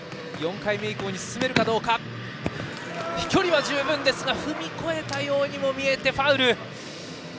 ３回目、飛距離は十分ですが踏み越えたように見えてファウル。